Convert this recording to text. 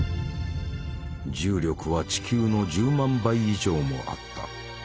重力は地球の１０万倍以上もあった。